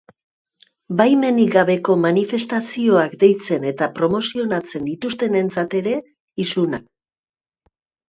Baimenik gabeko manifestazioak deitzen eta promozionatzen dituztenentzat ere, isunak.